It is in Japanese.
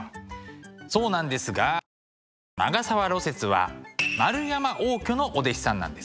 そうなんですがこの長沢雪は円山応挙のお弟子さんなんです。